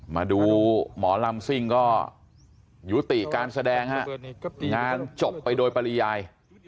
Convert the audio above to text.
มาดูหมอลำซิ่งก็ยุติการแสดงฮะงานจบไปโดยปริยาย